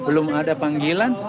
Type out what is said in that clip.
belum ada panggilan